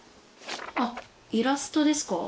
あっイラストですか？